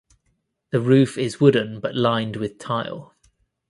The roof is wooden but lined with tile.